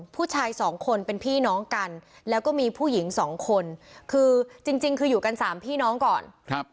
ผู้ชายสองคนเป็นพี่น้องกันแล้วก็มีผู้หญิงสองคนคือจริงคืออยู่กันสามพี่น้องก่อนครับ